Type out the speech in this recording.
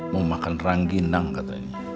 mau makan rangginang katanya